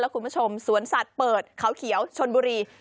คุณผู้ชมสวนสัตว์เปิดเขาเขียวชนบุรี